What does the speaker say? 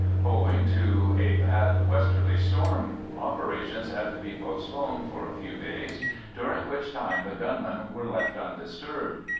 Owing to a bad westerly storm operations had to be postponed for a few days, during which time the gunmen were left undisturbed.